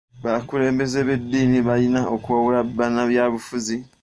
Abakulembeze b'ediini balina okuwabula banabyabufuzi.